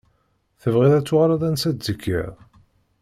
Tebɣiḍ ad tuɣaleḍ ansa i d-tekkiḍ?